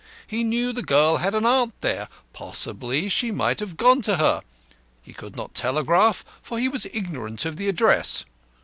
He knew the girl had an aunt there; possibly she might have gone to her. He could not telegraph, for he was ignorant of the address.